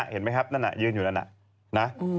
เห็นไหมครับยื่นอยู่แล้วน่ะ